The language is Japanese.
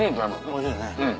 おいしいよね。